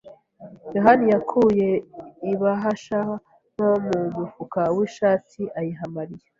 yohani yakuye ibahasha nto mu mufuka w'ishati ayiha Mariya.